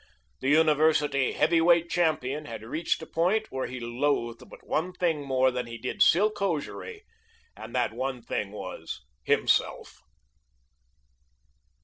The university heavyweight champion had reached a point where he loathed but one thing more than he did silk hosiery, and that one thing was himself.